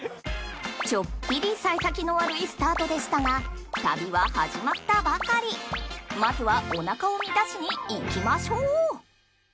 ちょっぴり幸先の悪いスタートでしたが旅は始まったばかりまずはお腹を満たしに行きましょう！